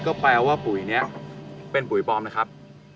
ก็แปลว่าปุ๋ยนี้เป็นปุ๋ยปลอมนะครับ